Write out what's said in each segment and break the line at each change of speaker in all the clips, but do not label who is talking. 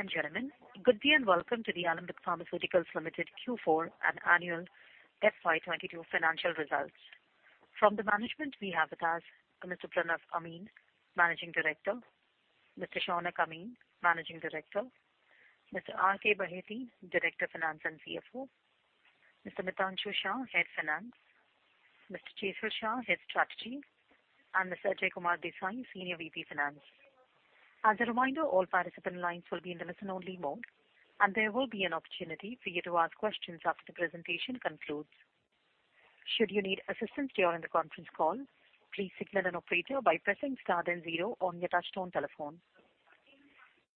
Ladies and gentlemen, good day and welcome to the Alembic Pharmaceuticals Limited Q4 and annual FY 2022 financial results. From the management, we have with us Mr. Pranav Amin, Managing Director, Mr. Shaunak Amin, Managing Director, Mr. R.K. Baheti, Director Finance and CFO, Mr. Mitanshu Shah, Head Finance, Mr. Jesal Shah, Head Strategy, and Mr. Ajay Kumar Desai, Senior VP Finance. As a reminder, all participant lines will be in the listen-only mode, and there will be an opportunity for you to ask questions after the presentation concludes. Should you need assistance during the conference call, please signal an operator by pressing star then zero on your touchtone telephone.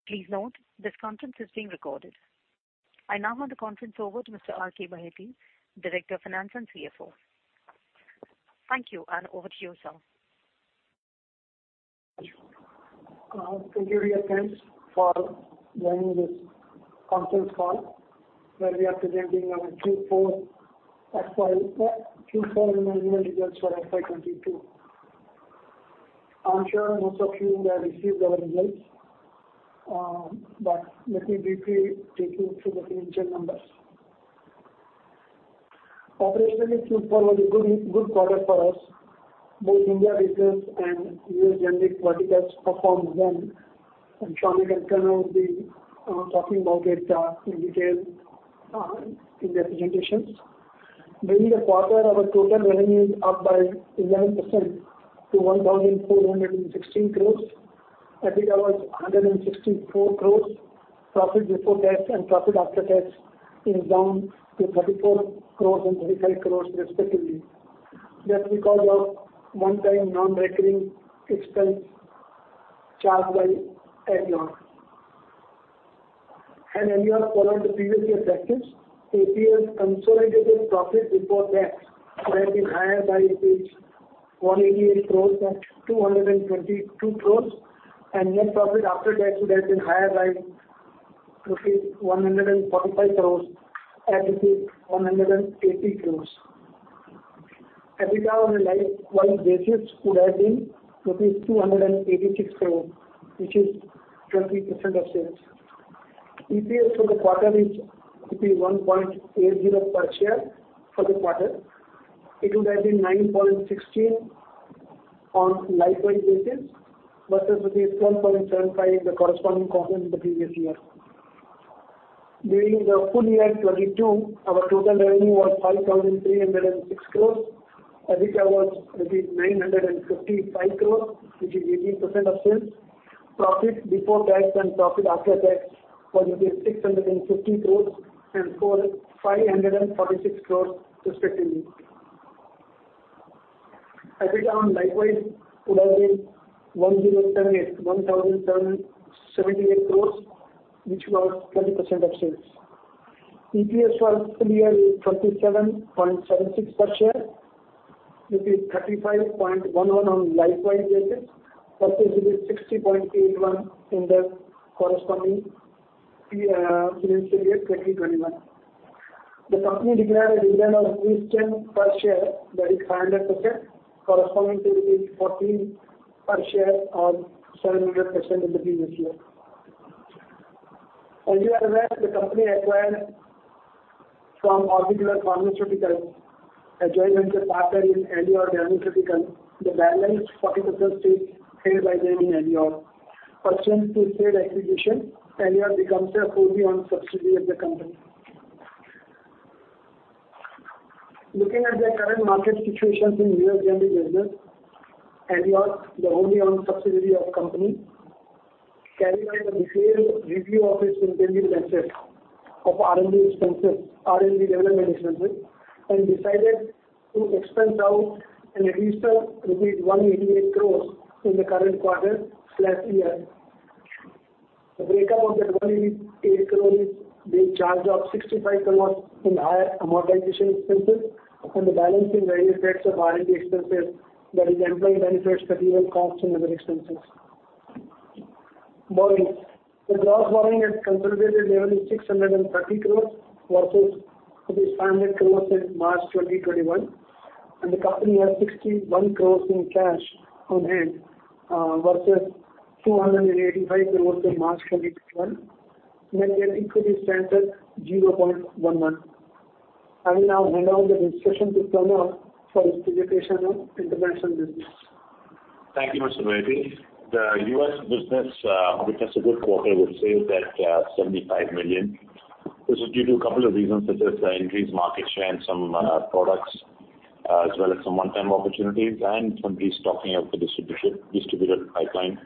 Please note, this conference is being recorded. I now hand the conference over to Mr. R.K. Baheti, Director of Finance and CFO. Thank you, and over to you, sir.
Thank you dear friends for joining this conference call where we are presenting our Q4 and annual results for FY 2022. I'm sure most of you have received our results, but let me briefly take you through the financial numbers. Operationally, Q4 was a good quarter for us. Both India business and U.S. generic verticals performed well, and Shaunak and Pranav will be talking about it in detail in their presentations. During the quarter, our total revenue is up by 11% to 1,416 crores. EBITDA was 164 crores. Profit before tax and profit after tax is down to 34 crores and 35 crores respectively. That's because of one-time non-recurring expense charged by Aleor. Aleor followed the previous year's practice. Alembic's consolidated profit before tax would have been higher by INR. 188 crores than 222 crores, and net profit after tax would have been higher by rupees 145 crores than 180 crores. EBITDA on a like basis could have been rupees 286 crores, which is 20% of sales. EPS for the quarter is 1.80 per share for the quarter. It would have been 9.16 on like-wise basis versus rupees 12.75 the corresponding quarter in the previous year. During the full year 2022, our total revenue was 5,306 crores. EBITDA was rupees 955 crores, which is 18% of sales. Profit before tax and profit after tax was 650 crores and 546 crores respectively. EBITDA, likewise, would have been 1,078 crores, which was 20% of sales. EPS for full year is 37.76 per share. It is 35.11 on like-wise basis versus it is 60.81 in the corresponding previous financial year 2021. The company declared a dividend of rupees 10 per share, that is 100% corresponding to rupees 14 per share or 700% in the previous year. As you are aware, the company acquired from Orbicular Pharmaceutical Technologies, a joint venture partner in Aleor Dermaceuticals, the balance 40% stake held by them in Aleor. Pursuant to said acquisition, Aleor becomes a fully owned subsidiary of the company. Looking at the current market situations in US generic business, Aleor, the fully owned subsidiary of company, carried out a detailed review of its inventory census of R&D expenses, R&D development expenses, and decided to expense out an extra rupees 188 crore in the current quarter/year. The breakup of that 188 crore is they charged off 65 crore in higher amortization expenses and the balance in various types of R&D expenses, that is employee benefits, material costs and other expenses. Borrowings. The gross borrowings at consolidated level is 630 crore versus 500 crore in March 2021, and the company has 61 crore in cash on hand versus 285 crore in March 2021, and their equity stands at 0.11. I will now hand over the discussion to Pranav for his presentation on international business.
Thank you, Mr. Baheti. The U.S. business, which has a good quarter, would say that 75 million. This is due to a couple of reasons such as the increased market share in some products as well as some one-time opportunities and some restocking of the distributed pipeline,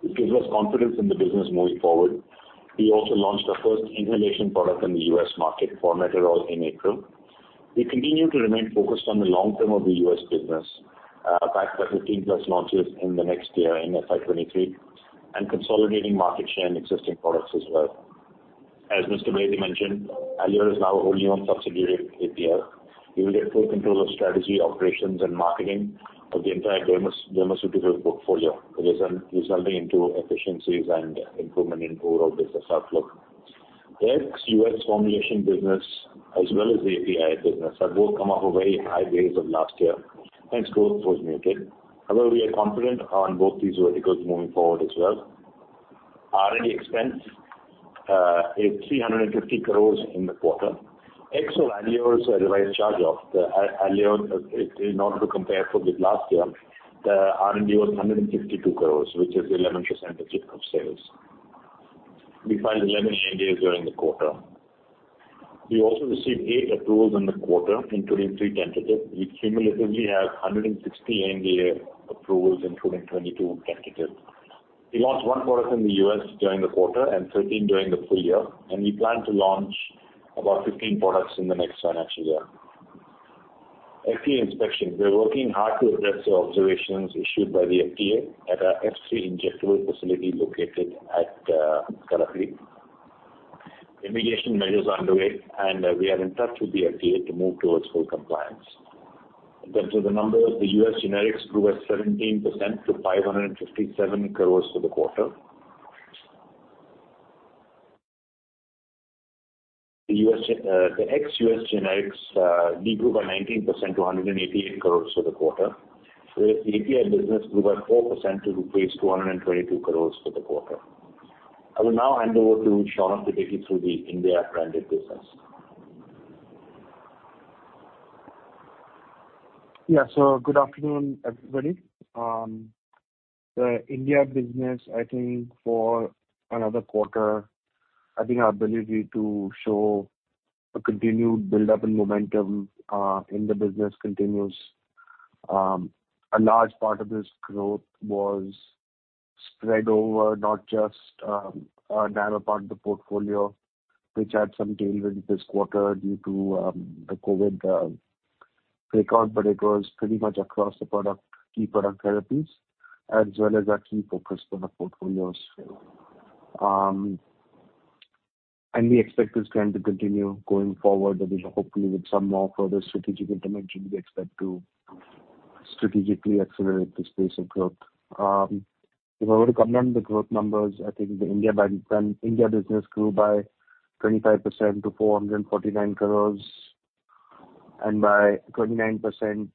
which gives us confidence in the business moving forward. We also launched our first inhalation product in the U.S. market, Formoterol, in April. We continue to remain focused on the long term of the US business, backed by 15+ launches in the next year in FY 2023 and consolidating market share in existing products as well. As Mr. Baheti mentioned, Aleor is now a wholly owned subsidiary of APL. We will get full control of strategy, operations and marketing of the entire dermatological portfolio, resulting in efficiencies and improvement in overall business outlook. The ex-US formulation business as well as the API business have both come off of a very high base of last year, thanks to Remdesivir. Although we are confident on both these verticals moving forward as well. R&D expense is 350 crore in the quarter, ex of Aleor's revised charge off. The Aleor, in order to compare with last year, the R&D was 152 crore, which is 11% of share of sales. We filed 11 ANDAs during the quarter. We also received 8 approvals in the quarter, including three tentative. We cumulatively have 160 ANDA approvals, including 22 tentative. We launched one product in the U.S. during the quarter and 13 during the full year, and we plan to launch about 15 products in the next financial year. FDA inspection. We're working hard to address the observations issued by the FDA at our F-3 injectable facility located at Karakhadi. Remediation measures are underway, and we are in touch with the FDA to move towards full compliance. To the numbers, the U.S. generics grew at 17% to 557 crore for the quarter. The ex-U.S. generics de-grew by 19% to 188 crore for the quarter. Whereas the API business grew by 4% to 222 crore for the quarter. I will now hand over to Shaunak to take you through the India branded business.
Yeah. Good afternoon, everybody. The India business, I think for another quarter, our ability to show a continued buildup in momentum in the business continues. A large part of this growth was spread over not just a narrow part of the portfolio, which had some tailwind this quarter due to the COVID outbreak, but it was pretty much across the portfolio, key product therapies as well as our key focus on the portfolios. We expect this trend to continue going forward, and we hopefully with some more further strategic intervention, we expect to strategically accelerate this pace of growth. If I were to comment on the growth numbers, I think the India by... India business grew by 25% to 449 crore and by 29%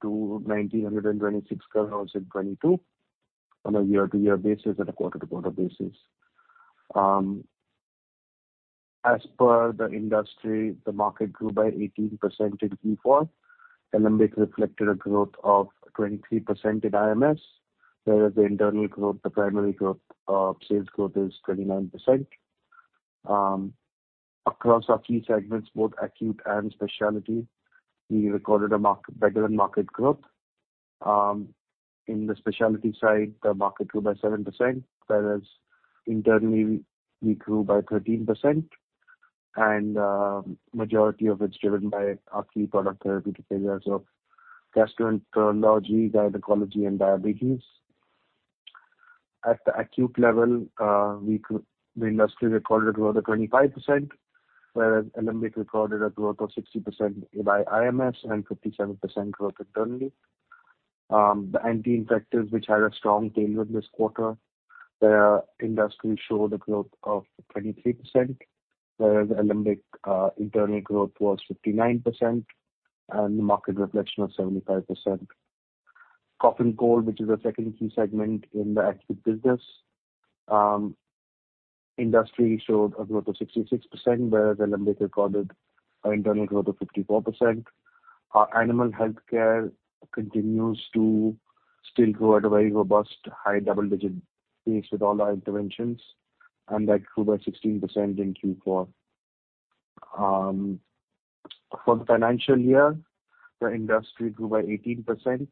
to 1,926 crore in 2022 on a year-over-year basis and a quarter-over-quarter basis. As per the industry, the market grew by 18% in Q4, and then this reflected a growth of 23% in IMS. Whereas the internal growth, the primary growth, sales growth is 29%. Across our key segments, both acute and specialty, we recorded a markedly better than market growth. In the specialty side, the market grew by 7%, whereas internally we grew by 13%, and majority of it's driven by our key product therapy categories of gastroenterology, gynecology and diabetes. At the acute level, we grew... The industry recorded a growth of 25%, whereas Alembic recorded a growth of 60% by IMS and 57% growth internally. The anti-infectives, which had a strong tailwind this quarter, the industry showed a growth of 23%, whereas Alembic internal growth was 59% and the market reflection of 75%. Cough and cold, which is our second key segment in the acute business, industry showed a growth of 66%, whereas Alembic recorded an internal growth of 54%. Our animal healthcare continues to still grow at a very robust high double-digit pace with all our interventions, and that grew by 16% in Q4. For the financial year, the industry grew by 18%,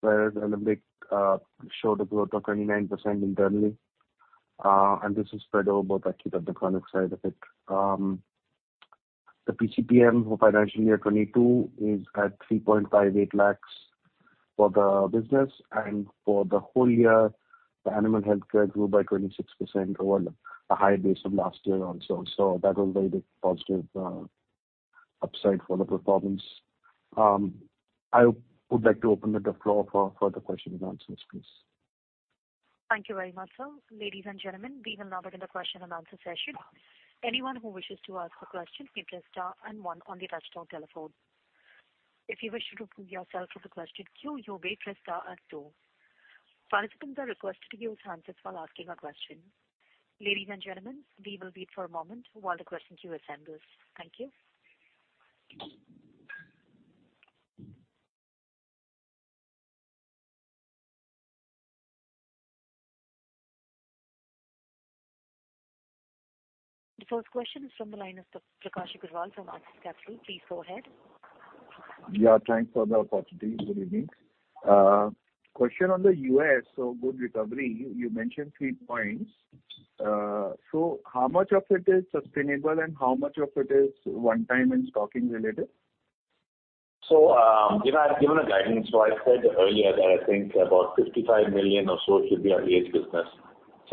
whereas Alembic showed a growth of 29% internally. This is spread over both acute and the chronic side of it. The PCPM for financial year 2022 is at 3.58 lakhs for the business. For the whole year, the animal healthcare grew by 26% over the high base of last year also. That was very positive upside for the performance. I would like to open the floor for further questions and answers, please.
Thank you very much, sir. Ladies and gentlemen, we will now begin the question and answer session. Anyone who wishes to ask a question may press star and one on the touchtone telephone. If you wish to remove yourself from the question queue, you may press star and two. Participants are requested to mute answers while asking a question. Ladies and gentlemen, we will wait for a moment while the question queue assembles. Thank you. The first question is from the line of Prakash Agarwal from Axis Capital. Please go ahead.
Yeah, thanks for the opportunity. Good evening. Question on the U.S. Good recovery. You mentioned three points. How much of it is sustainable and how much of it is one time and stocking related?
You know, I've given a guidance. I said earlier that I think about 55 million or so should be our base business.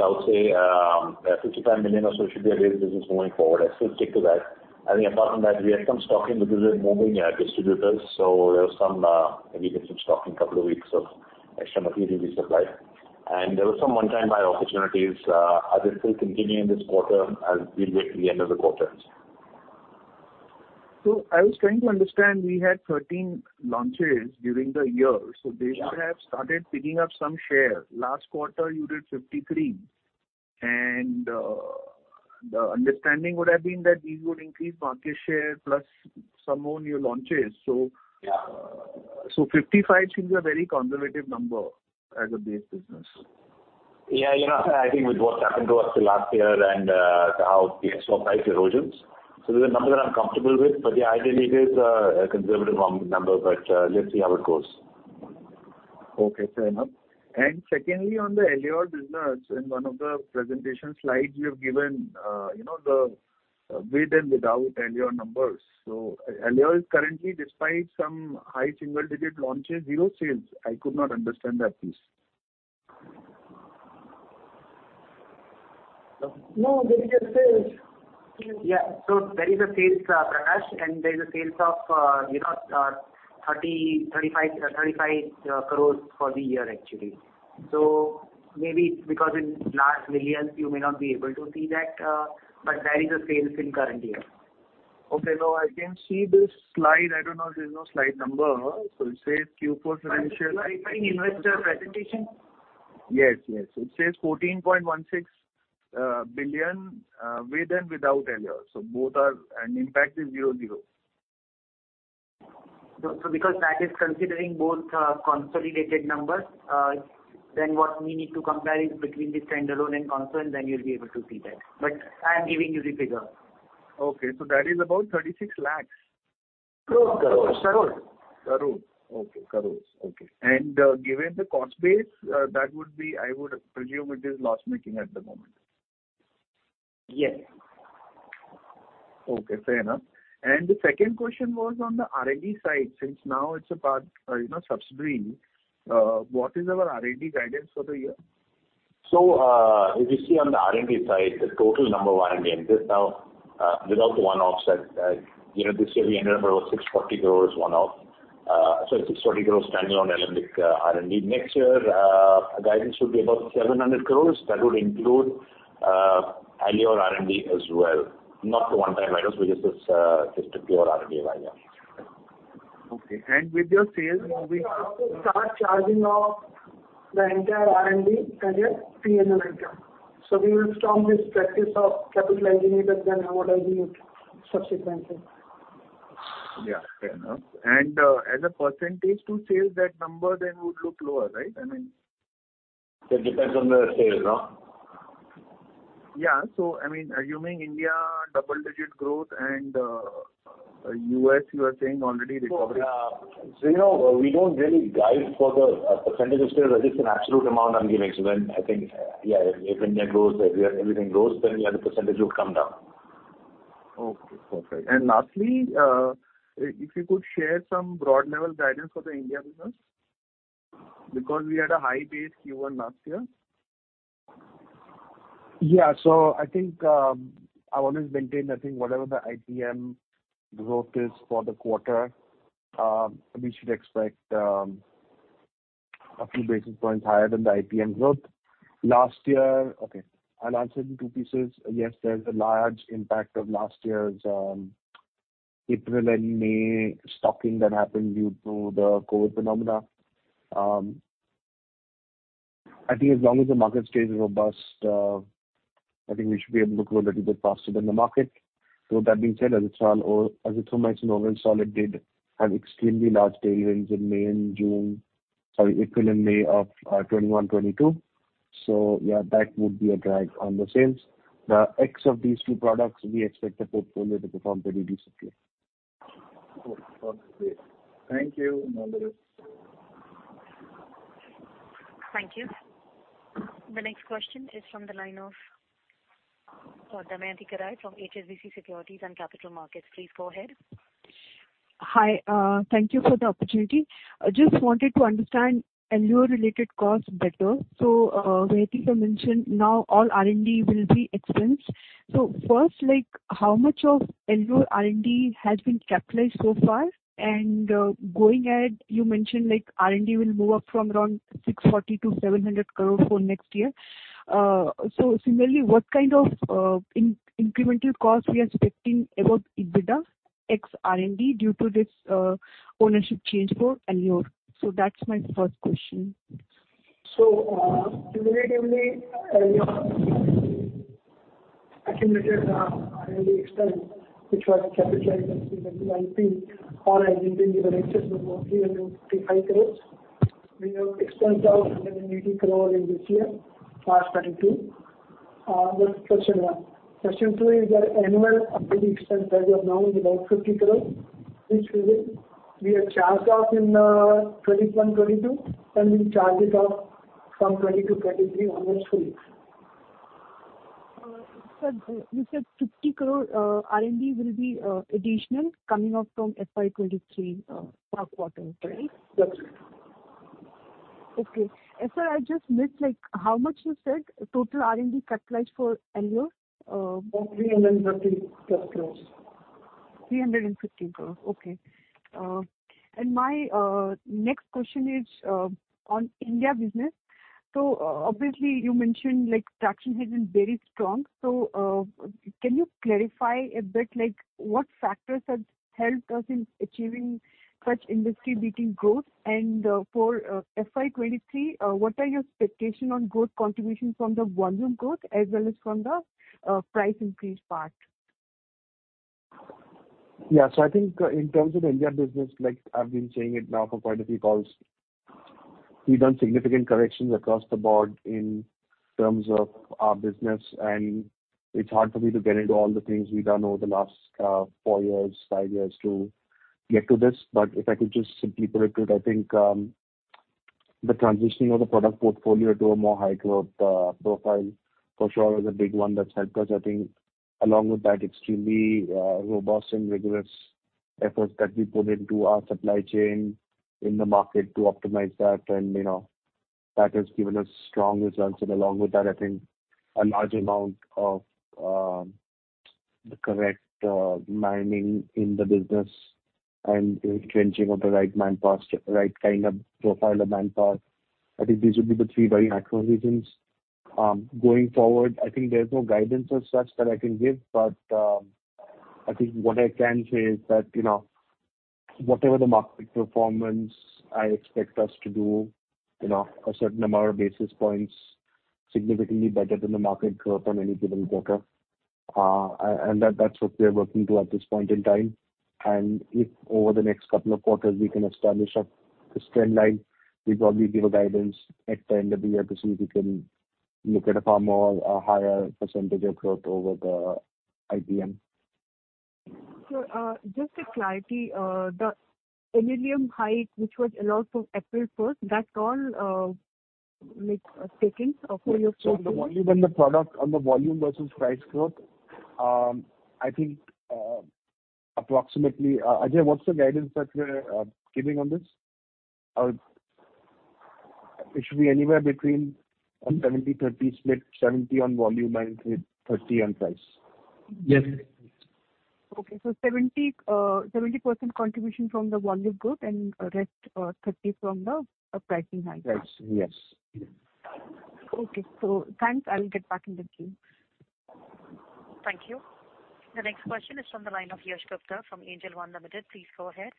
I would say, yeah, 55 million or so should be our base business going forward. I still stick to that. I think apart from that, we had some stocking because we're moving our distributors, so there was some, maybe some stocking couple of weeks of extra material we supplied. There was some one-time buy opportunities. Are they still continuing this quarter as we get to the end of the quarter?
I was trying to understand, we had 13 launches during the year.
Yeah.
They should have started picking up some share. Last quarter you did 53%, and the understanding would have been that these would increase market share plus some more new launches.
Yeah.
55 seems a very conservative number as a base business.
Yeah. You know, I think with what's happened to us the last year and, how the export price erosions. This is a number that I'm comfortable with. Yeah, ideally it is a conservative number, but, let's see how it goes.
Okay, fair enough. Secondly, on the Aleor business, in one of the presentation slides you have given, you know, the with and without Aleor numbers. ex-Aleor is currently, despite some high single digit launches, zero sales. I could not understand that piece.
No, there is a sales.
Yeah. There is a sales, Prakash, and there's a sales of, you know, 35 crore for the year actually. Maybe because in large millions you may not be able to see that, but there is a sales in current year.
Okay. No, I can see this slide. I don't know, there's no slide number. It says Q4
Are you referring investor presentation?
Yes. It says 14.16 billion with and without Aleor. Both are. Impact is 0.0.
Because that is considering both consolidated numbers, then what we need to compare is between the standalone and consolidated, then you'll be able to see that. I'm giving you the figure.
Okay. That is about INR 36 lakhs.
Crore.
Crore.
Crore. Okay. Crores. Okay. Given the cost base, that would be, I would presume, it is loss-making at the moment.
Yes.
Okay, fair enough. The second question was on the R&D side. Since now it's a part, you know, subsidiary, what is our R&D guidance for the year?
If you see on the R&D side, the total number one million just now, without the one-offs that, you know, this year we ended up with 640 crores one-off. 640 crores standalone Alembic, R&D next year. Guidance should be about 700 crores. That would include, Aleor R&D as well, not the one-time items, which is just a pure R&D item.
Okay. With your sales, We have to start charging off the entire R&D credit P&L item. We will stop this practice of capitalizing it and then amortizing it subsequently. Yeah, fair enough. As a percentage to sales, that number then would look lower, right? I mean...
It depends on the sales, no?
Yeah. I mean, assuming India double-digit growth and U.S. you are saying already recovering.
You know, we don't really guide for the percentage of sales. That is an absolute amount I'm giving. I think, yeah, if India grows, everywhere everything grows, then yeah, the percentage will come down.
Okay, perfect. Lastly, if you could share some broad level guidance for the India business, because we had a high base Q1 last year.
Yeah. I think I've always maintained. I think whatever the IPM growth is for the quarter, we should expect a few basis points higher than the IPM growth. Okay, I'll answer in two pieces. Yes, there's a large impact of last year's April and May stocking that happened due to the COVID phenomenon. I think as long as the market stays robust, I think we should be able to grow a little bit faster than the market. With that being said, as it's all or as it so much in overall sales did have extremely large tailwinds in May and June, sorry, April and May of 2021, 2022. Yeah, that would be a drag on the sales. The ex of these two products, we expect the portfolio to perform relatively similarly.
Okay. Thank you.
Thank you.
Thank you. The next question is from the line of Damayanti Kerai from HSBC Securities and Capital Markets. Please go ahead.
Hi, thank you for the opportunity. I just wanted to understand Aleor-related costs better. I think you mentioned now all R&D will be expensed. First, like how much of Aleor R&D has been capitalized so far? Going ahead, you mentioned like R&D will move up from around 640 crore-700 crore for next year. Similarly, what kind of incremental cost we are expecting above EBITDA ex R&D due to this ownership change for Aleor? That's my first question.
Cumulatively, Aleor accumulated R&D expense which was capitalized in IP or R&D in excess of INR 355 crore. We have expensed out INR 180 crore in this year, FY 2022. That's question one. Question two is our annual R&D expense that we have now is about 50 crore, which we will have charged off in 2021, 2022, and we'll charge it off from 2022, 2023 onwards fully.
Sir, you said 50 crore R&D will be additional coming up from FY 2023 fourth quarter, right?
Yes.
Okay. Sir, I just missed, like how much you said total R&D capitalized for Aleor?
Three hundred and thirty-three crores.
INR 315 crore. Okay. My next question is on India business. Obviously, you mentioned like traction has been very strong. Can you clarify a bit like what factors have helped us in achieving such industry-beating growth? For FY 2023, what are your expectation on growth contributions from the volume growth as well as from the price increase part?
I think, in terms of India business, like I've been saying it now for quite a few calls, we've done significant corrections across the board in terms of our business, and it's hard for me to get into all the things we've done over the last, four years, five years to get to this. If I could just simply put it, I think, the transitioning of the product portfolio to a more high growth, profile for sure is a big one that's helped us. I think along with that extremely, robust and rigorous efforts that we put into our supply chain in the market to optimize that. You know, that has given us strong results. Along with that, I think a large amount of the correct manning in the business and entrenching of the right manpower, right kind of profile of manpower. I think these would be the three very macro reasons. Going forward, I think there's no guidance as such that I can give, but, I think what I can say is that, you know, whatever the market performance, I expect us to do, you know, a certain amount of basis points significantly better than the market growth on any given quarter. That, that's what we're working to at this point in time. If over the next couple of quarters we can establish this trend line, we'd probably give a guidance at the end of the year to see if we can look at a far more higher percentage of growth over the IPM.
Just a clarity. The NLEM hike which was allowed from April first, that's all, like taken for your-
The volume and the product on the volume versus price growth, I think, Ajay, what's the guidance that we're giving on this? It should be anywhere between a 70/30 split, 70 on volume and 30 on price. Yes.
Okay. 70% contribution from the volume growth and rest, 30% from the pricing hike.
Price. Yes.
Okay. Thanks. I will get back in the queue.
Thank you. The next question is from the line of Yash Gupta from Angel One Limited. Please go ahead.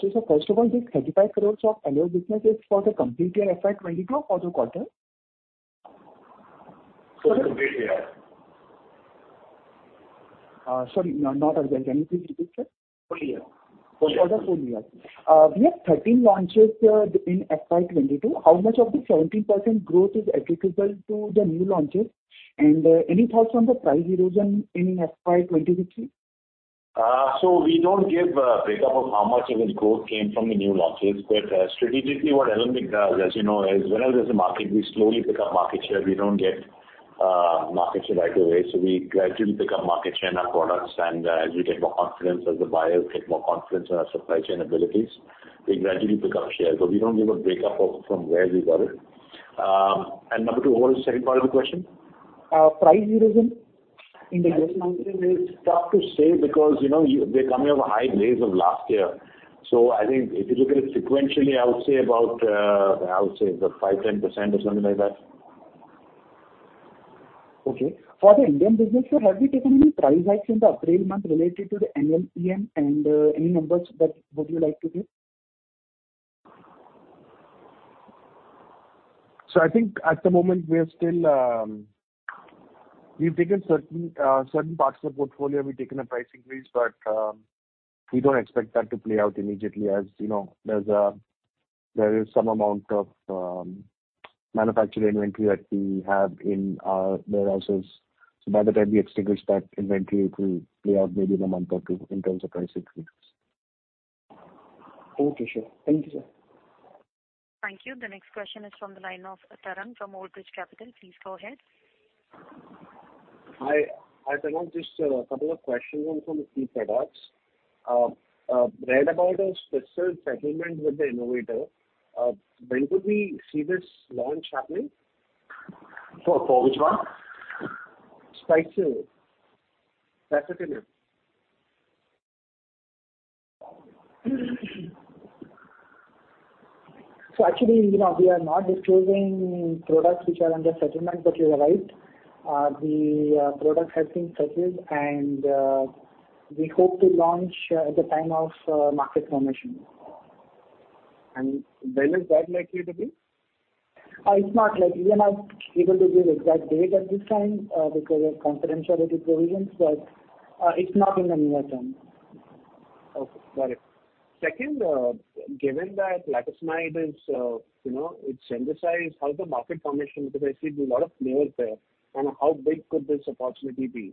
sir, first of all, this 35 crore of Aleor business is for the complete year FY 2022 or the quarter?
For the complete year.
Sorry, not urgent. Can you please repeat, sir?
Full year.
For the full year. We have 13 launches in FY 2022. How much of the 17% growth is attributable to the new launches? Any thoughts on the price erosion in FY 2023?
We don't give a breakup of how much of the growth came from the new launches. Strategically, what Alembic does, as you know, is whenever there's a market, we slowly pick up market share. We don't get market share right away, so we gradually pick up market share in our products. As we get more confidence, as the buyers get more confidence in our supply chain abilities, we gradually pick up share. We don't give a breakup of from where we got it. Number two, what was the second part of the question?
Price erosion in the
Price erosion is tough to say because, you know, they're coming off high base of last year. I think if you look at it sequentially, I would say about 5%-10% or something like that.
Okay. For the Indian business, sir, have you taken any price hikes in the April month related to the NLEM? Any numbers that you would like to give?
I think at the moment we are still. We've taken certain parts of the portfolio, we've taken a price increase, but we don't expect that to play out immediately. As you know, there is some amount of manufactured inventory that we have in our warehouses. By the time we extinguish that inventory, it will play out maybe in a month or two in terms of price increases.
Okay, sure. Thank you, sir.
Thank you. The next question is from the line of Tarang Agarwal from Old Bridge Capital. Please go ahead.
Hi. I have just a couple of questions on some of the key products. Read about a Spiriva settlement with the innovator. When could we see this launch happening?
For which one?
Spiriva.
uncertain. Actually, you know, we are not disclosing products which are under settlement. You are right, the product has been settled, and we hope to launch at the time of market formation.
When is that likely to be?
It's not like we are not able to give exact date at this time, because of confidentiality provisions, but it's not in the near term.
Okay, got it. Second, given that uncertain is, you know, it's synthesized, how is the market fragmentation? Because I see there's a lot of players there. How big could this opportunity be?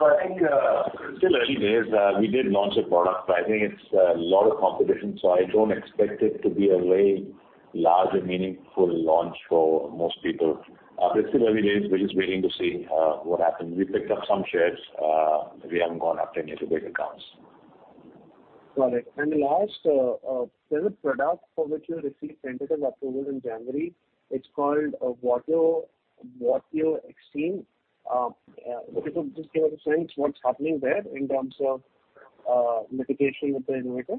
I think still early days. We did launch a product, but I think it's a lot of competition, so I don't expect it to be a very large and meaningful launch for most people. Still early days. We're just waiting to see what happens. We picked up some shares. We haven't gone after any of the big accounts.
Got it. Last, there's a product for which you received tentative approval in January. It's called Vumerity®. If you could just give us a sense what's happening there in terms of litigation with the innovator?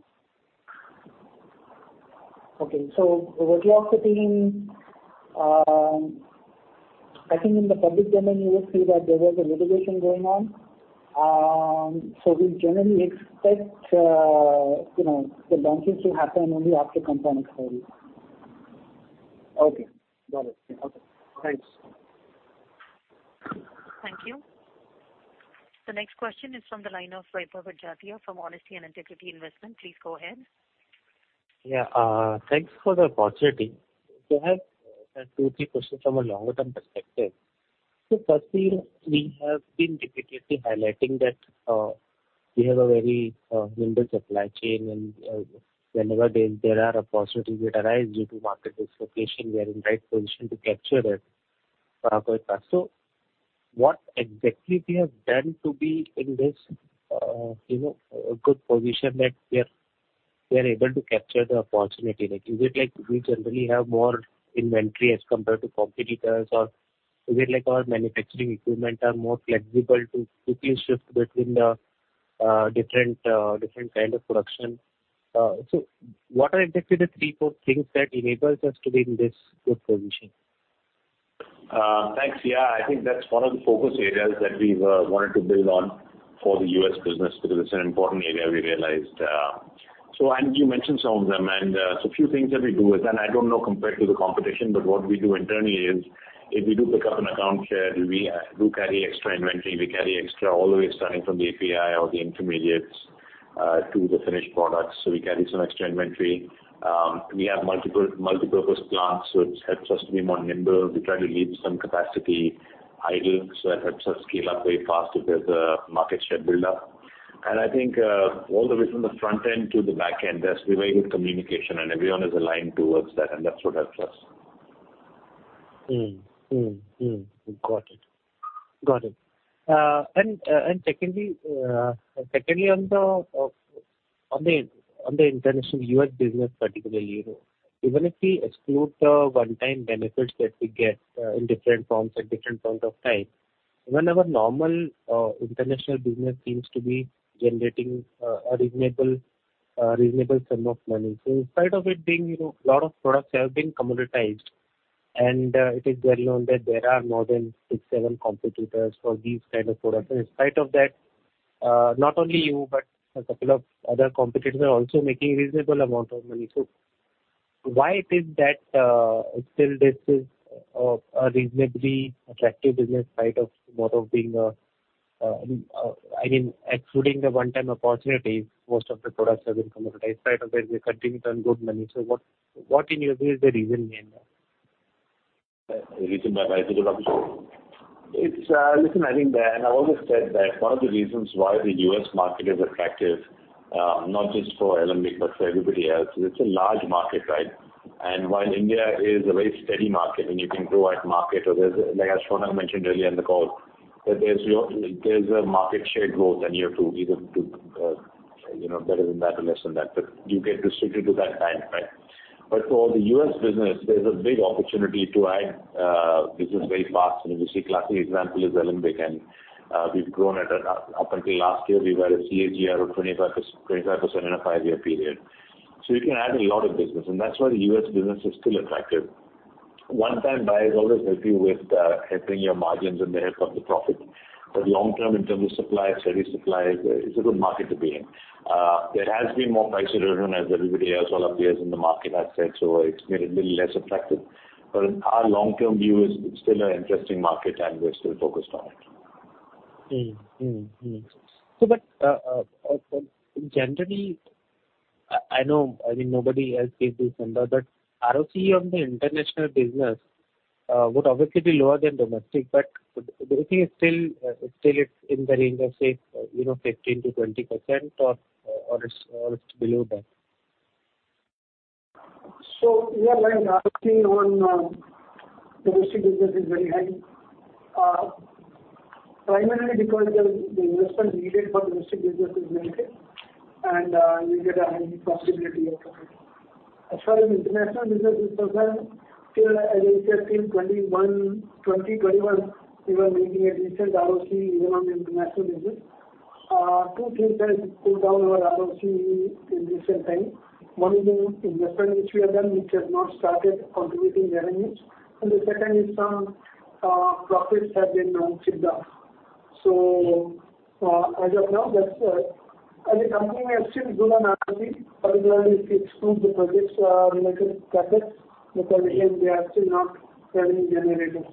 uncertain, I think in the public domain, you will see that there was a litigation going on. We generally expect, you know, the launches to happen only after patent expiry.
Okay. Got it. Yeah. Okay. Thanks.
Thank you. The next question is from the line of Vaibhav Ojatia from Honesty and Integrity Investment. Please go ahead.
Yeah. Thanks for the opportunity. I have two, three questions from a longer-term perspective. Firstly, we have been repeatedly highlighting that we have a very nimble supply chain, and whenever there are opportunities that arise due to market dislocation, we are in right position to capture it quite fast. What exactly we have done to be in this, you know, good position that we are able to capture the opportunity? Like, is it like we generally have more inventory as compared to competitors? Or is it like our manufacturing equipment are more flexible to quickly shift between the different kind of production? What are exactly the three, four things that enables us to be in this good position?
Thanks. Yeah. I think that's one of the focus areas that we've wanted to build on for the U.S. business because it's an important area we realized. You mentioned some of them. A few things that we do is I don't know compared to the competition, but what we do internally is if we do pick up an account share, we do carry extra inventory. We carry extra all the way starting from the API or the intermediates to the finished products. We carry some extra inventory. We have multiple multipurpose plants, so it helps us to be more nimble. We try to leave some capacity idle, so that helps us scale up very fast if there's a market share buildup. I think, all the way from the front end to the back end, there's very good communication and everyone is aligned towards that, and that's what helps us.
Got it. Secondly on the international US business particularly, you know, even if we exclude the one-time benefits that we get in different forms at different point of time, even our normal international business seems to be generating a reasonable sum of money. In spite of it being, you know, a lot of products have been commoditized, and it is well-known that there are more than six-seven competitors for these kind of products. In spite of that, not only you, but a couple of other competitors are also making reasonable amount of money. Why it is that, still this is, a reasonably attractive business in spite of lot of being, I mean, excluding the one-time opportunities, most of the products have been commoditized. In spite of that, we continue to earn good money. What in your view is the reason behind that?
The reason that drives it. It's. Listen, I think that, and I've always said that one of the reasons why the U.S. market is attractive, not just for Alembic but for everybody else, is it's a large market, right? While India is a very steady market, and you can grow at market. Like as Shaunak mentioned earlier in the call, that there's a market share growth, and you have to either to better than that or less than that. You get restricted to that band, right? For the U.S. business, there's a big opportunity to add business very fast. If you see classic example is Alembic, and up until last year, we were a CAGR of 25% in a five-year period. You can add a lot of business, and that's why the U.S. business is still attractive. One-time buyers always help you with, helping your margins and they help the profit. Long term, in terms of supply, steady supply, it's a good market to be in. There has been more price erosion as everybody else, all our peers in the market have said, so it's made it a little less attractive. Our long-term view is it's still an interesting market and we're still focused on it.
Generally, I know, I mean, nobody has said this number, but ROC on the international business would obviously be lower than domestic. Do you think it's still in the range of, say, you know, 15%-20% or it's below that?
Yeah, like ROC on domestic business is very high. Primarily because the investment needed for domestic business is limited, and you get a high possibility out of it. As far as international business is concerned, till, as I said, till 2021, we were making a decent ROC even on international business. Two things has pulled down our ROCE in recent time. One is the investment which we have done, which has not started contributing revenues. And the second is some profits have been chipped off. As of now, that's. As a company, we are still good on ROC, particularly if you exclude the projects related profits, because again, they are still not fully generating.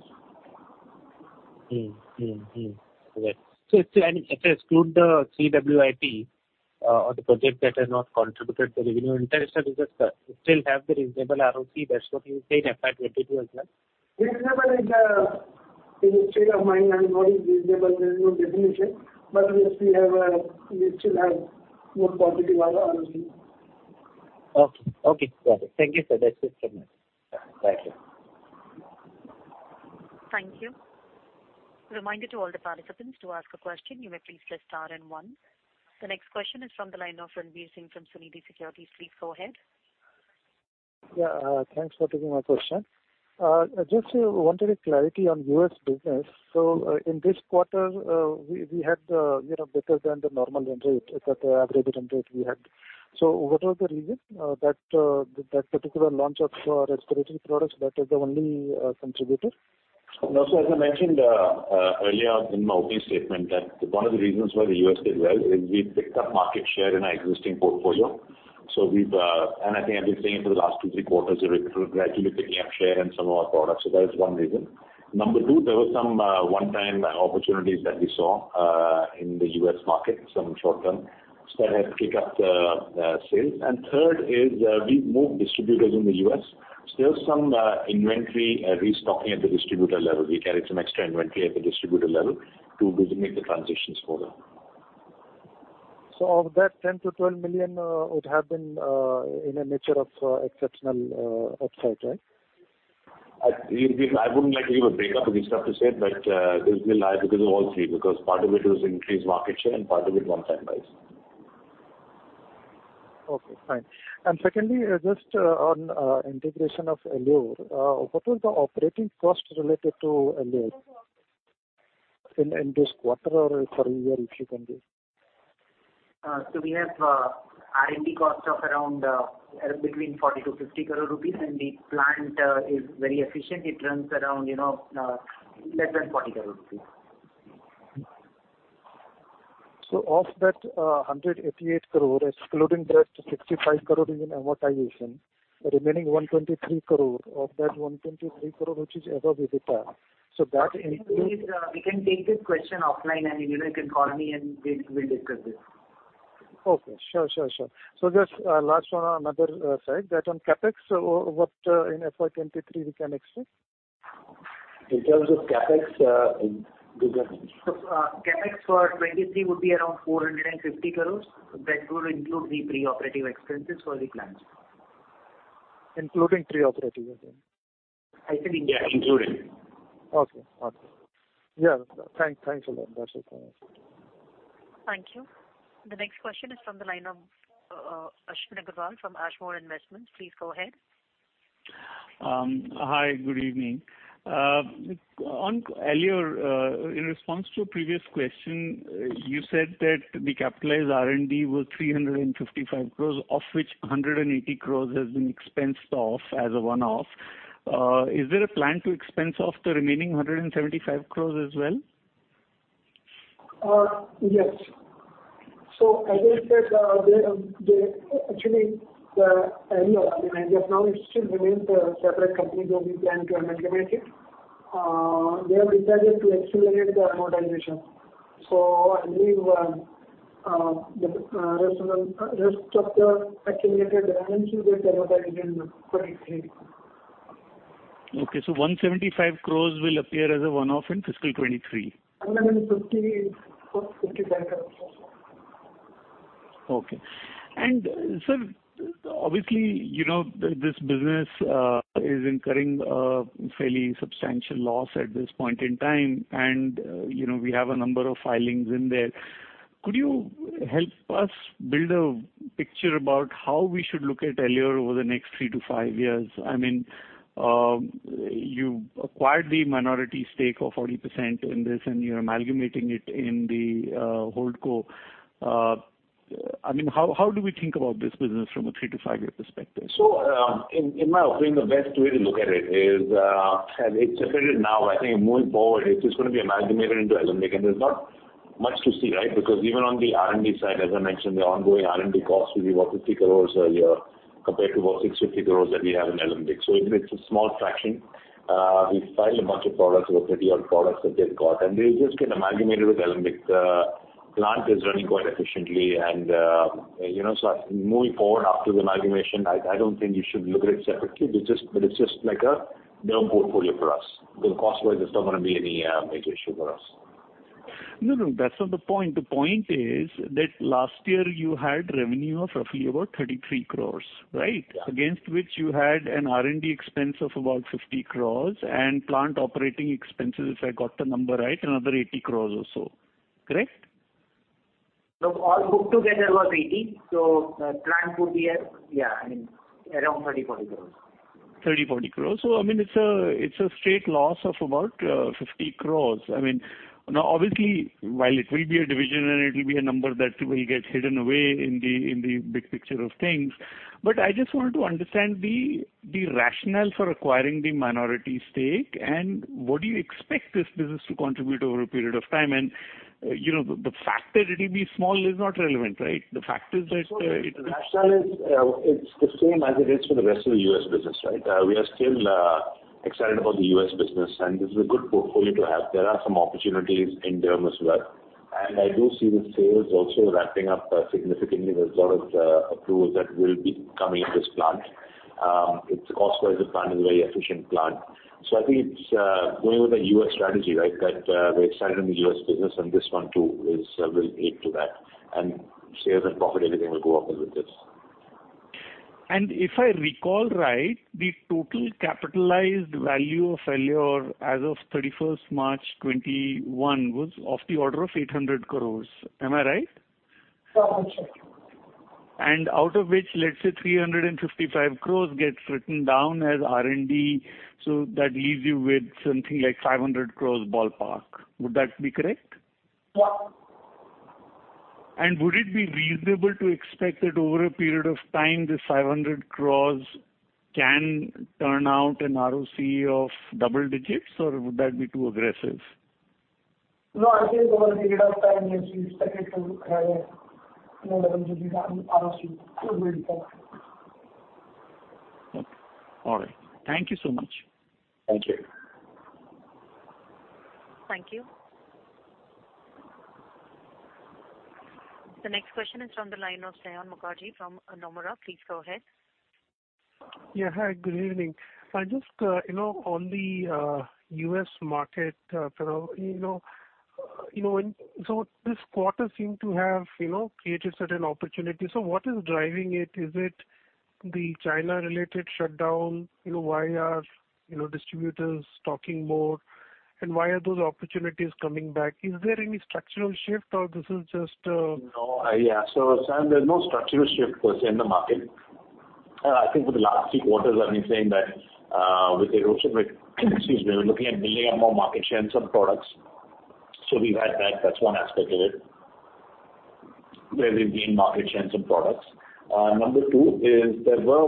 If I exclude the CWIP or the projects that have not contributed the revenue, international business still have the reasonable ROC? That's what you're saying, apart from the?
Reasonable is a state of mind, and what is reasonable, there is no definition. We still have more positive ROC.
Okay. Okay. Got it. Thank you, sir. That's it from me. Bye.
Thank you. Reminder to all the participants, to ask a question, you may please press star and one. The next question is from the line of Ranvir Singh from Sunidhi Securities. Please go ahead.
Yeah, thanks for taking my question. Just wanted a clarity on U.S. business. In this quarter, we had, you know, better than the normal run rate that the aggregate run rate we had. What was the reason, that particular launch of respiratory products, that was the only contributor?
No. As I mentioned earlier in my opening statement, one of the reasons why the US did well is we picked up market share in our existing portfolio. I think I've been saying it for the last two, three quarters. We're gradually picking up share in some of our products. That is one reason. Number two, there were some one-time opportunities that we saw in the U.S. market, some short-term, so that has picked up the sales. Third is, we've moved distributors in the U.S. Still some inventory restocking at the distributor level. We carried some extra inventory at the distributor level to facilitate the transitions for them.
Of that 10-12 million would have been in a nature of exceptional upside, right?
I wouldn't like to give a breakdown of each of the sales, but it will be because of all three, because part of it was increased market share and part of it one-time buys.
Okay, fine. Secondly, just on integration of Aleor. What was the operating cost related to Aleor in this quarter or for a year, if you can give? We have R&D cost of around between 40 crore-50 crore rupees, and the plant is very efficient. It runs around, you know, less than 40 crore rupees. Of that 188 crore, excluding that 65 crore in amortization, the remaining 123 crore, of that 123 crore, which is above EBITDA, so that includes- Ranvir, please, we can take this question offline, and you know, you can call me and we'll discuss this. Okay. Sure. Just last one on another side. That on CapEx, so what in FY 23 we can expect?
In terms of CapEx, Vijay? CapEx for 2023 would be around 450 crore. That would include the pre-operative expenses for the plants.
Including pre-operative expenses. I think, yeah, including. Okay. Yeah. Thanks a lot. That's it for now.
Thank you. The next question is from the line of Ashwini Agarwal from Ashmore Investment Management. Please go ahead.
Hi. Good evening. On Aleor, in response to a previous question, you said that the capitalized R&D was 355 crores, of which 180 crores has been expensed off as a one-off. Is there a plan to expense off the remaining 175 crores as well?
Yes. As I said, actually, the Aleor, as of now it still remains a separate company, though we plan to amalgamate it. They have decided to accelerate the amortization. I believe the rest of the accumulated R&D, they amortized in FY 2023.
Okay. 175 crores will appear as a one-off in fiscal 2023.
No, 50. 55 crore.
Okay. Sir, obviously, you know, this business is incurring a fairly substantial loss at this point in time and, you know, we have a number of filings in there. Could you help us build a picture about how we should look at Aleor over the next three-five years? I mean, you acquired the minority stake of 40% in this and you're amalgamating it in the holding co. I mean, how do we think about this business from a three-five-year perspective?
In my opinion, the best way to look at it is, it's separated now. I think moving forward it's just gonna be amalgamated into Alembic, and there's not much to see, right? Because even on the R&D side, as I mentioned, the ongoing R&D cost will be about 50 crore a year compared to about 650 crore that we have in Alembic. It's a small fraction. We've filed a bunch of products, over 30-odd products that they've got, and they'll just get amalgamated with Alembic. The plant is running quite efficiently and, you know. Moving forward after the amalgamation, I don't think you should look at it separately. It's just like a derm portfolio for us, because cost-wise it's not gonna be any major issue for us.
No, no, that's not the point. The point is that last year you had revenue of roughly about 33 crore, right? Against which you had an R&D expense of about 50 crore and plant operating expenses, if I got the number right, another 80 crore or so. Correct? No, all put together was 80. The plant would be at, yeah, I mean, around 30-40 crores. 30-40 crores. I mean, it's a straight loss of about 50 crores. I mean, now obviously while it will be a division and it'll be a number that will get hidden away in the big picture of things, but I just wanted to understand the rationale for acquiring the minority stake and what do you expect this business to contribute over a period of time? You know, the fact that it'll be small is not relevant, right? The fact is that it
The rationale is, it's the same as it is for the rest of the U.S. business, right? We are still excited about the U.S. business, and this is a good portfolio to have. There are some opportunities in derm as well. I do see the sales also ramping up significantly. There's a lot of approvals that will be coming in this plant. Cost-wise, the plant is a very efficient plant. I think it's going with the U.S. strategy, right? That we're excited in the U.S. business and this one too is will add to that. Sales and profit, everything will go up with this.
If I recall right, the total capitalized value of Aleor as of 31st March 2021 was of the order of 800 crore. Am I right?
Correct, sir.
Out of which, let's say 355 crore gets written down as R&D. That leaves you with something like 500 crore ballpark. Would that be correct?
Yeah.
Would it be reasonable to expect that over a period of time, this 500 crores can turn out an ROC of double digits, or would that be too aggressive?
No, I think over a period of time, yes, we expect it to have that level of return on ROC.
Okay. All right. Thank you so much.
Thank you.
Thank you. The ne xt question is from the line of Saion Mukherjee from Nomura. Please go ahead.
Yeah. Hi, good evening. I just, you know, on the U.S. market, you know, this quarter seemed to have, you know, created certain opportunities. What is driving it? Is it the China-related shutdown? You know, why are, you know, distributors talking more? Why are those opportunities coming back? Is there any structural shift or this is just,
No. Yeah. Saion, there's no structural shift per se in the market. I think for the last few quarters I've been saying that, with the erosion rate, excuse me, we're looking at building up more market share in some products. We've had that. That's one aspect of it, where we've gained market share in some products. Number two is there were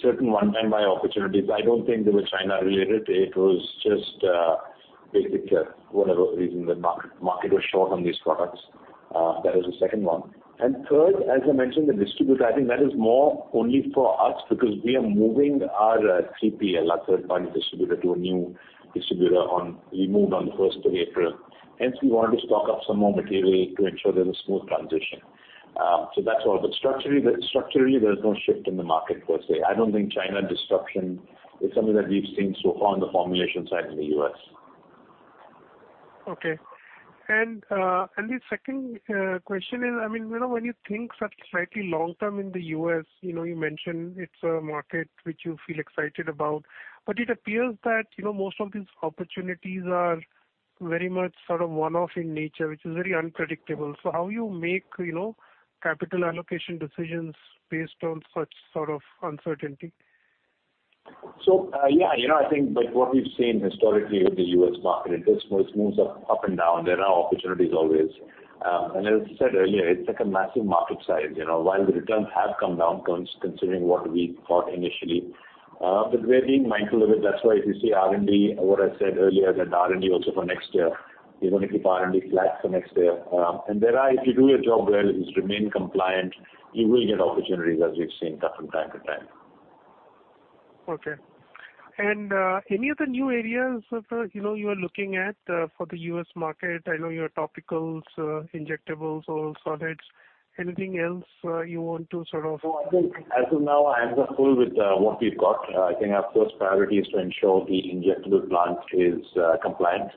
certain one-time buy opportunities. I don't think they were China related. It was just, basic, whatever reason the market was short on these products. That was the second one. Third, as I mentioned, the distributor, I think that is more only for us because we are moving our TPL, our third party distributor, to a new distributor. We moved on the first of April. Hence, we wanted to stock up some more material to ensure there's a smooth transition. That's all. Structurally, there's no shift in the market per se. I don't think China disruption is something that we've seen so far on the formulation side in the US.
The second question is, I mean, you know, when you think such slightly long term in the U.S., you know, you mentioned it's a market which you feel excited about, but it appears that, you know, most of these opportunities are very much sort of one-off in nature, which is very unpredictable. So how you make, you know, capital allocation decisions based on such sort of uncertainty?
Yeah, you know, I think like what we've seen historically with the US market, it does move up and down. There are opportunities always. As I said earlier, it's like a massive market size. You know, while the returns have come down considering what we thought initially, but we're being mindful of it. That's why if you see R&D, what I said earlier, that R&D also for next year, we're gonna keep R&D flat for next year. If you do your job well, is to remain compliant, you will get opportunities as we've seen time and time again.
Okay. Any other new areas of, you know, you are looking at, for the U.S. market? I know your topicals, injectables or solids. Anything else, you want to sort of-
I think as of now our hands are full with what we've got. I think our first priority is to ensure the injectable plant is compliant.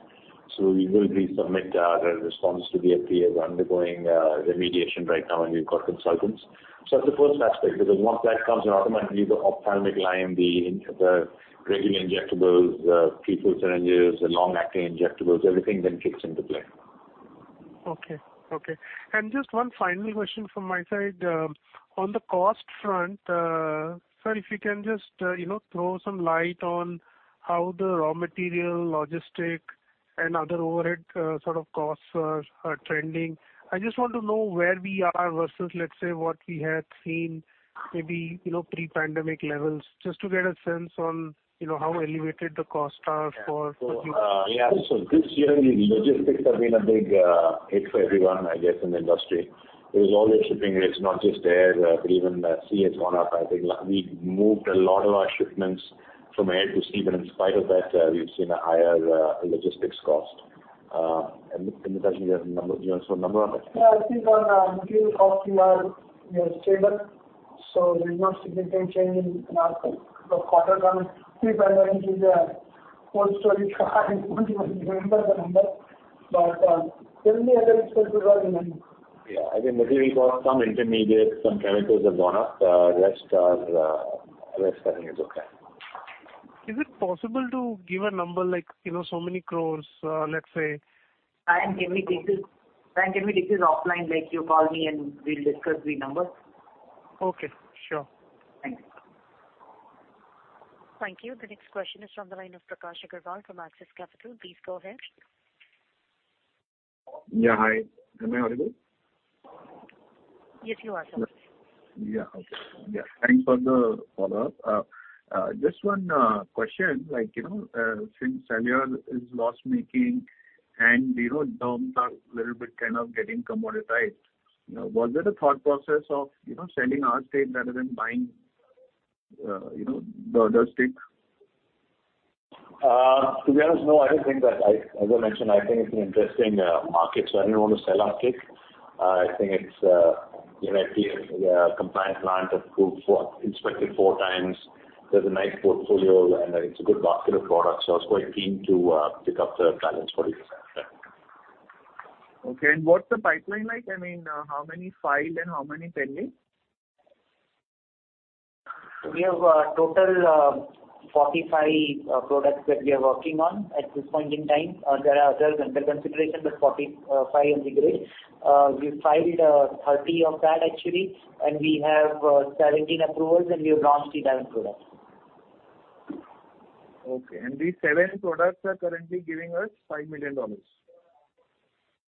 We will resubmit our response to the FDA. We're undergoing remediation right now, and we've got consultants. That's the first aspect, because once that comes in, automatically the ophthalmic line, the regular injectables, the prefilled syringes, the long-acting injectables, everything then kicks into play.
Okay. Just one final question from my side. On the cost front, sir, if you can just you know throw some light on how the raw material, logistics and other overhead sort of costs are trending. I just want to know where we are versus, let's say, what we had seen maybe, you know, pre-pandemic levels, just to get a sense on, you know, how elevated the costs are for.
This year the logistics have been a big hit for everyone, I guess, in the industry. It was all the shipping rates, not just air, but even sea has gone up. I think we moved a lot of our shipments from air to sea, but in spite of that, we've seen a higher logistics cost. Mitanshu, actually you have the number. Do you want to throw a number on that?
Yeah, I think on material cost we are stable, so there's no significant change in the quarter on pre-pandemic is old story. I don't remember the number, but certainly I don't expect a big movement.
Yeah. I think mostly we call them some intermediate, some chemicals have gone up. Rest I think is okay.
Is it possible to give a number like, you know, so many crores, let's say?
I can give you details. Sayan, can we discuss offline? Like, you call me and we'll discuss the numbers.
Okay. Sure.
Thanks.
Thank you. The next question is from the line of Prakash Agarwal from Axis Capital. Please go ahead.
Yeah. Hi. Am I audible?
Yes, you are, sir.
Thanks for the follow-up. Just one question. Like, you know, since Aleor is loss-making and, you know, derms are little bit kind of getting commoditized, you know, was there a thought process of, you know, selling our stake rather than buying, you know, the other stake?
To be honest, no, I don't think that I, as I mentioned, I think it's an interesting market, so I didn't want to sell our stake. I think it's, you know, a compliant plant that's approved four, inspected four times. There's a nice portfolio, and it's a good basket of products, so I was quite keen to pick up the balance 40%.
Okay. What's the pipeline like? I mean, how many filed and how many pending?
We have total 45 products that we are working on at this point in time. There are others under consideration, but 45 in the grid. We filed 30 of that actually, and we have 17 approvals, and we have launched 11 products.
Okay. These seven products are currently giving us $5 million?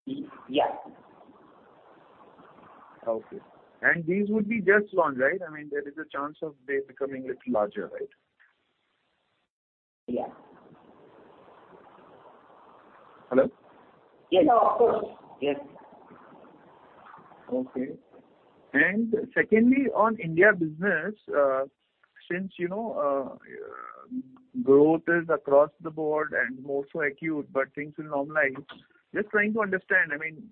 Y-yeah.
Okay. These would be just launched, right? I mean, there is a chance of they becoming little larger, right?
Yeah.
Hello?
Yes. Of course. Yes.
Okay. Secondly, on India business, since, you know, growth is across the board and more so acute, but things will normalize. Just trying to understand, I mean,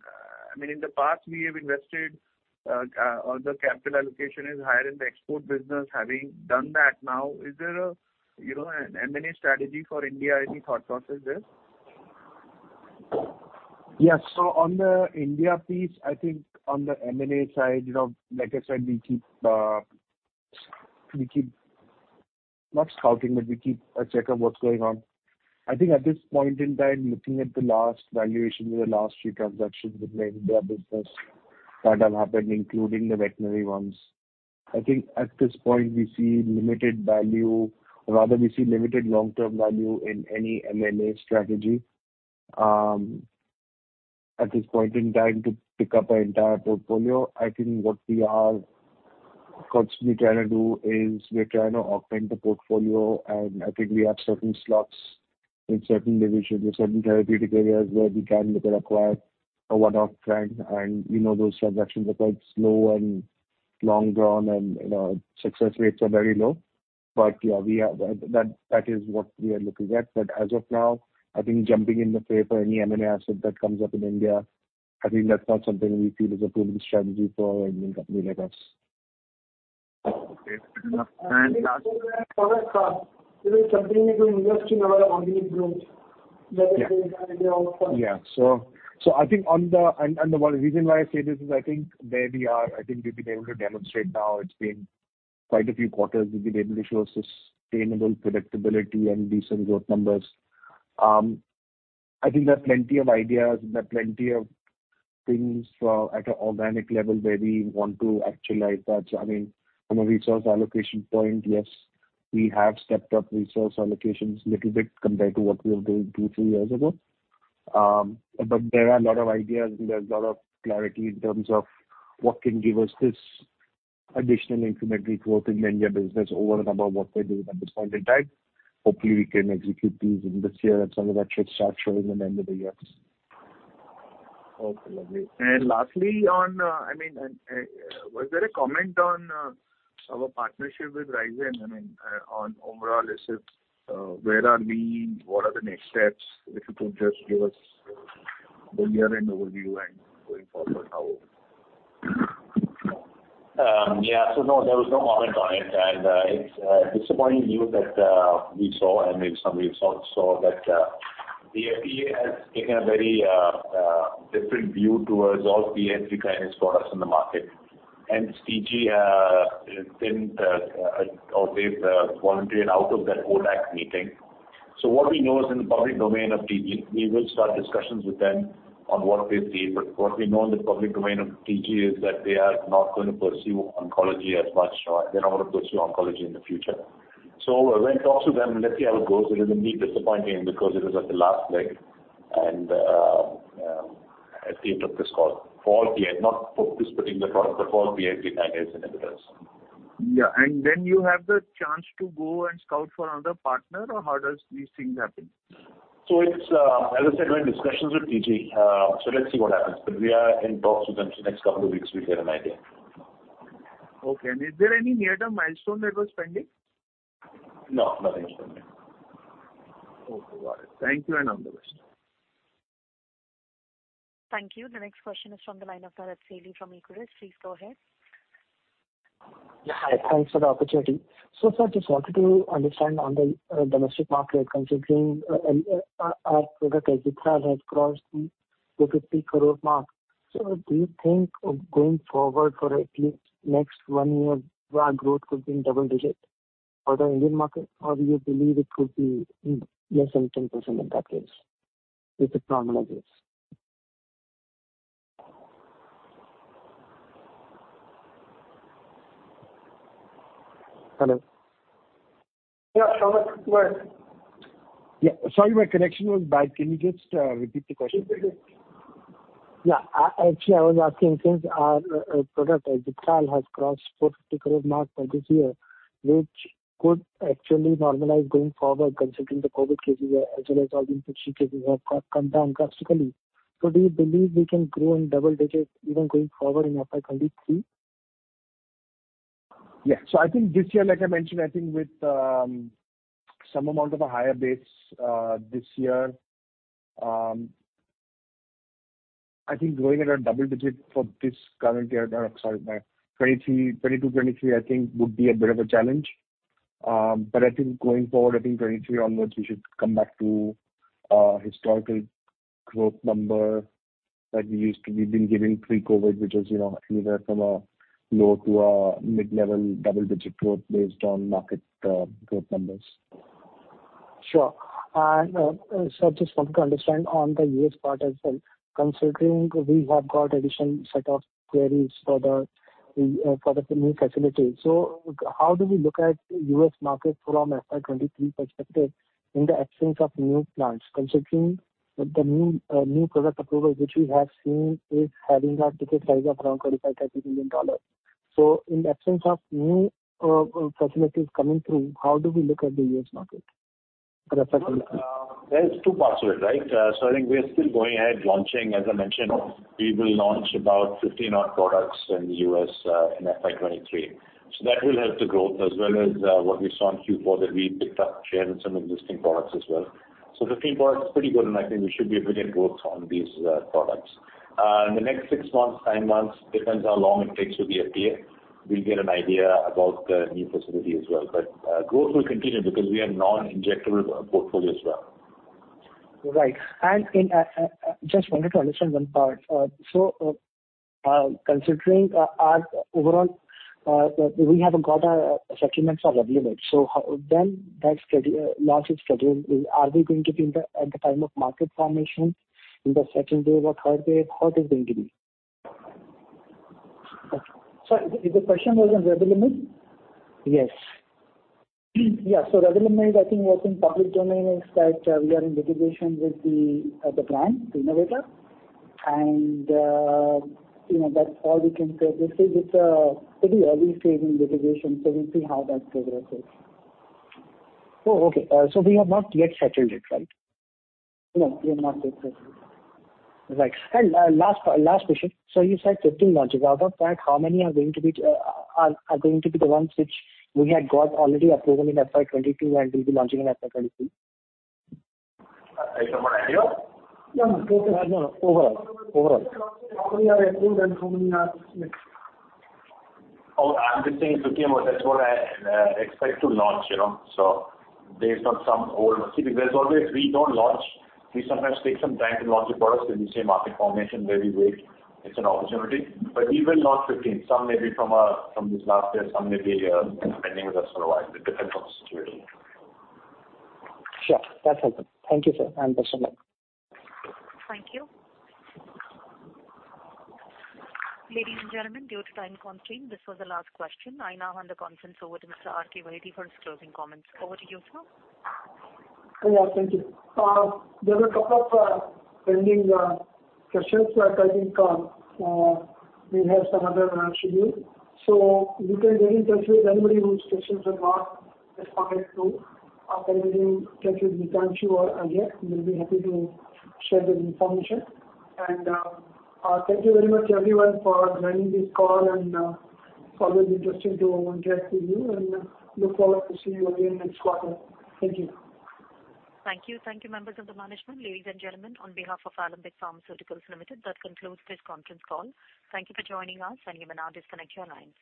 in the past we have invested, the capital allocation is higher in the export business. Having done that now, is there, you know, an M&A strategy for India? Any thought process there?
Yes. On the India piece, I think on the M&A side, you know, like I said, not scouting, but we keep a check on what's going on. I think at this point in time, looking at the last valuation or the last three transactions with the India business that have happened, including the veterinary ones, I think at this point we see limited value, rather, we see limited long-term value in any M&A strategy at this point in time to pick up our entire portfolio. I think what we are constantly trying to do is we're trying to augment the portfolio, and I think we have certain slots in certain divisions or certain therapeutic areas where we can look at acquire or whatnot. We know those transactions are quite slow and long drawn and, you know, success rates are very low. Yeah, that is what we are looking at. As of now, I think jumping in the play for any M&A asset that comes up in India, I think that's not something we feel is a proven strategy for an Indian company like us.
Okay, fair enough.
I think the reason why I say this is I think where we are. I think we've been able to demonstrate now it's been quite a few quarters. We've been able to show sustainable predictability and decent growth numbers. I think there are plenty of ideas. There are plenty of things at an organic level where we want to actualize that. I mean, from a resource allocation point, yes, we have stepped up resource allocations little bit compared to what we were doing two, three years ago. But there are a lot of ideas and there's a lot of clarity in terms of what can give us this additional incremental growth in the India business over and above what we're doing at this point in time. Hopefully, we can execute these in this year, and some of that should start showing in the end of the year.
Okay, lovely. Lastly, I mean, was there a comment on our partnership with Rhizen? I mean, on umbralisib, where are we? What are the next steps? If you could just give us a year-end overview and going forward how.
Yeah. No, there was no comment on it. It's disappointing news that we saw and maybe some of you saw that the FDA has taken a very different view towards all PI3K inhibitors products in the market. TG or they've volunteered out of that ODAC meeting. What we know is in the public domain of TG, we will start discussions with them on what they see. What we know in the public domain of TG is that they are not gonna pursue oncology as much or they're not gonna pursue oncology in the future. We're in talks with them. Let's see how it goes. It is indeed disappointing because it is at the last leg and they took this call. For PI, not for distributing the product, but for PI3K inhibitors.
Yeah. Then you have the chance to go and scout for another partner or how does these things happen?
It's, as I said, we're in discussions with TG. Let's see what happens. We are in talks with them, so next couple of weeks we'll get an idea.
Okay. Is there any near-term milestone that was pending?
No, nothing pending.
Okay, got it. Thank you and all the best.
Thank you. The next question is from the line of Dharit Sheth from Equirus. Please go ahead.
Yeah. Hi. Thanks for the opportunity. Sir, just wanted to understand on the domestic market, considering our product Azee has crossed the 50 crore mark. Do you think going forward for at least next one year, our growth could be in double-digit for the Indian market? Or do you believe it could be less than 10% in that case if it normalizes?
Hello?
Yeah. Sorry.
Yeah. Sorry, my connection was bad. Can you just repeat the question please?
Sure. Sure.
Actually, I was asking since our product Azee has crossed 40 crore mark for this year, which could actually normalize going forward considering the COVID cases as well as all the 50 cases have come down drastically. Do you believe we can grow in double digits even going forward in FY 2023?
I think this year, like I mentioned, I think with some amount of a higher base, this year, I think growing at a double digit for this current year, sorry, 2022, 2023, I think would be a bit of a challenge.
I think going forward, I think 2023 onwards, we should come back to historical growth number that we've been giving pre-COVID, which is, you know, anywhere from a low- to mid-level double-digit growth based on market growth numbers.
Sure. Sir, just wanted to understand on the U.S. part as well, considering we have got additional set of queries for the new facility. How do we look at U.S. market from FY 2023 perspective in the absence of new plants, considering the new product approval which we have seen is having a ticket size of around $30-$35 million. In the absence of new facilities coming through, how do we look at the U.S. market for FY 2023?
Well, there is two parts to it, right? I think we are still going ahead launching. As I mentioned, we will launch about 15 odd products in the U.S., in FY 2023. That will help the growth as well as what we saw in Q4, that we picked up share in some existing products as well. 15 products is pretty good, and I think we should be able to get growth on these products. In the next six months, nine months, depends how long it takes for the FDA, we'll get an idea about the new facility as well. Growth will continue because we have a non-injectable portfolio as well.
Right. I just wanted to understand one part. Considering our overall, we have got our settlements of Revlimid. How is the scheduled launch schedule? Are they going to be at the time of market formation in the second wave or third wave? How is it going to be?
Sorry, the question was on Revlimid?
Yes.
Revlimid, I think what's in public domain is that we are in litigation with the brand, the innovator. You know, that's all we can say. Basically, it's a pretty early stage in litigation, so we'll see how that progresses.
Oh, okay. We have not yet settled it, right?
No, we have not yet settled.
Right. Last question. You said 15 launches. Out of that, how many are going to be the ones which we had got already approved in FY 2022 and will be launching in FY 2023?
I don't have an idea.
No. Overall.
How many are approved and how many are? Oh, I'm just saying 15, but that's what I expect to launch, you know. See, because always we don't launch. We sometimes take some time to launch a product when we say market formation, where we wait. It's an opportunity. We will launch 15. Some may be from this last year, some may be kind of pending with us for a while. It depends on the certainty.
Sure. That's helpful. Thank you, sir. Best of luck.
Thank you. Ladies and gentlemen, due to time constraint, this was the last question. I now hand the conference over to Mr. R. K. Baheti for his closing comments. Over to you, sir.
Yeah, thank you. There were a couple of pending questions that I think we have some other schedule. So you can get in touch with anybody whose questions are not responded to. Can you check with Deepanshi or Ajay, we'll be happy to share that information. Thank you very much everyone for joining this call, and it's always interesting to chat with you and look forward to see you again next quarter. Thank you.
Thank you. Thank you, members of the management. Ladies and gentlemen, on behalf of Alembic Pharmaceuticals Limited, that concludes this conference call. Thank you for joining us. You may now disconnect your lines.